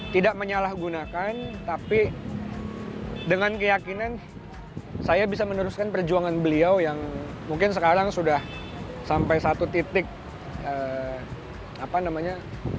tidak menyalahgunakan tapi dengan keyakinan saya bisa meneruskan perjuangan beliau yang mungkin sekarang sudah sampai satu titik apa namanya